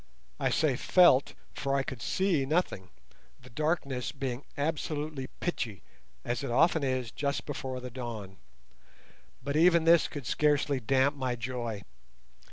I say felt, for I could see nothing, the darkness being absolutely pitchy, as it often is just before the dawn. But even this could scarcely damp my joy.